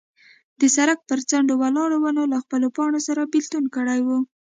د سړک پر څنډو ولاړو ونو له خپلو پاڼو سره بېلتون کړی و.